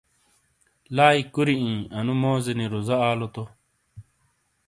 لائی کُوری ائیں انو موزینی روزہ آلو تو ۔۔